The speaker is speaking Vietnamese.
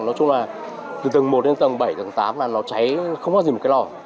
nói chung là từ tầng một đến tầng bảy tầng tám là nó cháy không có gì một cái lò